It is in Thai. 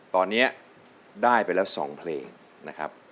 ตอนนี้ได้ไปแล้ว๒เพลงนะครับ